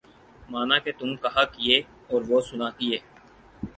مانا کہ تم کہا کیے اور وہ سنا کیے